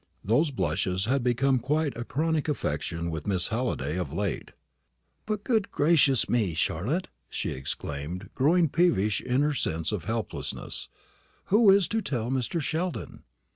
Those blushes had become quite a chronic affection with Miss Halliday of late. "But, good gracious me, Charlotte," she exclaimed, growing peevish in her sense of helplessness, "who is to tell Mr. Sheldon?"